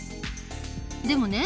でもね